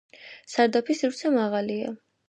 სარდაფის სივრცე მაღალია.